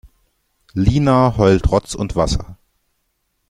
Lina heult Rotz und Wasser.